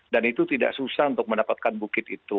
dan itu tidak susah untuk mendapatkan bukit itu